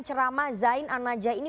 ceramah zain an najah ini